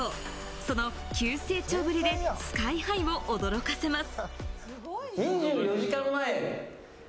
その急成長ぶりでＳＫＹ−ＨＩを驚かせます。